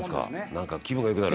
なんか気分が良くなる？」